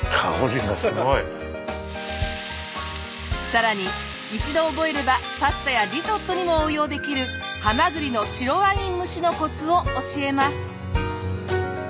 さらに一度覚えればパスタやリゾットにも応用できるハマグリの白ワイン蒸しのコツを教えます。